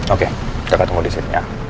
oke jangan tunggu di sini ya